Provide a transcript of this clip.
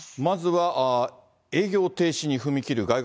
まずは営業停止に踏み切る